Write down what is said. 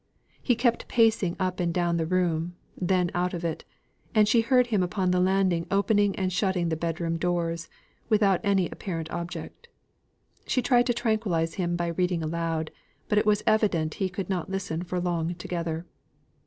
He kept pacing up and down the room; then out of it; and she heard him upon the landing opening and shutting the bed room doors, without any apparent object. She tried to tranquillise him by reading aloud; but it was evident he could not listen for long together.